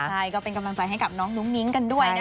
ใช่ก็เป็นกำลังใจให้กับน้องนุ้งนิ้งกันด้วยนะคะ